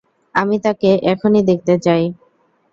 আমি তাকে এখনই দেখতে চাই।